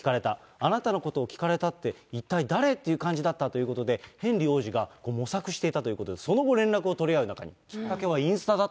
あなたのことを聞かれたって、一体誰？っていう感じだったっていうことで、ヘンリー王子が模索していたということで、その後、連絡を取り合う仲に。